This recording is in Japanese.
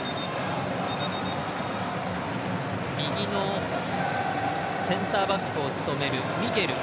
右のセンターバックを務めるミゲル。